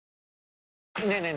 ねえねえ